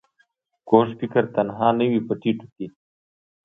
کوږ فکر تنها نه وي په ټيټو کې